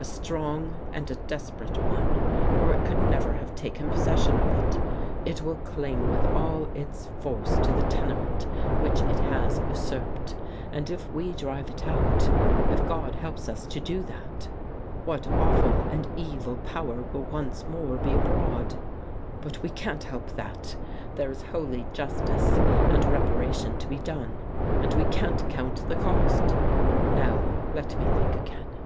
A strong and a desperate one, or it could never have taken possession of it. It will cling with all its force to the tenement which it has usurped, and if we drive it out, if God helps us to do that, what awful and evil power will once more be abroad ! But we can't help that. There is holy justice and reparation to be done, and we can't count the cost. Now, let me think again